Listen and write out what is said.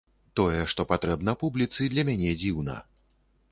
Тое, што патрэбна публіцы, для мяне дзіўна.